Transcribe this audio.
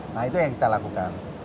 nah itu yang kita lakukan